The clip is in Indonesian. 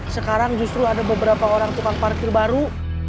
sekarang justru ada beberapa orang tukang parkir baru